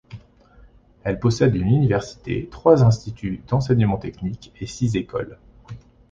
Elle possède une université, trois instituts d'enseignement technique et six écoles.